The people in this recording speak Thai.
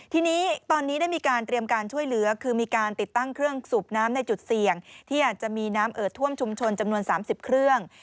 ทีนี้ตอนนี้ได้มีการเตรียมการช่วยเหลือคือมีการติดตั้งเครื่องสูบน้ำในจุดเสี่ยงที่อาจจะมีน้ำเอิดท่วมชุมชนจำนวน๓๐เครื่อง